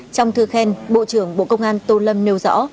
trong thư khen bộ trưởng bộ công an tô lâm nêu rõ